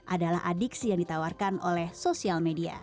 adalah adiksi yang ditawarkan oleh sosial media